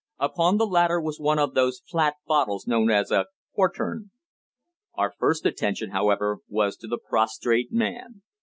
Upon the latter was one of those flat bottles known as a "quartern." Our first attention, however, was to the prostrate man.